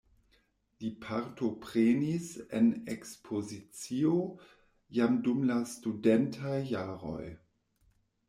Li partoprenis en ekspozicio jam dum la studentaj jaroj.